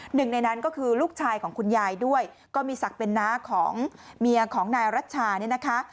หนึ่งในนั้นก็คือลูกชายของคุณยายด้วยก็มีศักดิ์เป็นน้าของเมียของนายรัชชาเนี่ยนะคะ